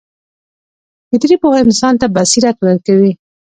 فطري پوهه انسان ته بصیرت ورکوي.